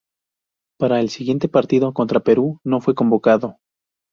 Para el siguiente partido, contra Perú, no fue convocado.